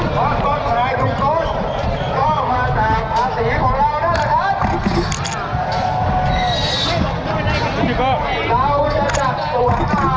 ก็มาจากอาเตยของเราน่ะนะครับ